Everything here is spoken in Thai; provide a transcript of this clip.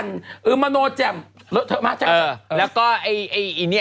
คือมโนแจ่งมากจากนี้